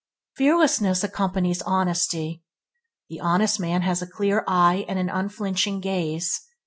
Fearlessness accompanies honesty. The honest man has a clear eye and an unflinching gaze.